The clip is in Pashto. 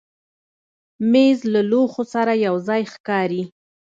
مېز له لوښو سره یو ځای ښکاري.